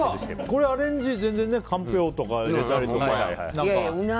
これ、アレンジ、全然ねかんぴょうとか入れたりとか。